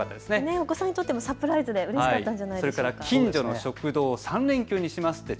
お子さんにとってもサプライズでうれしかったんじゃないでしょうか。